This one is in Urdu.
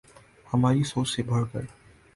ہماری سوچ سے بڑھ کر